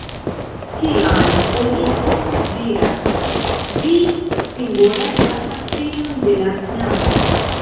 Tial oni ofte diras, ke ĝi simbolas la patrinon de la knabo.